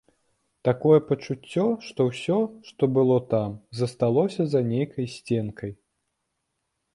Такое пачуццё, што ўсё, што было там, засталося за нейкай сценкай.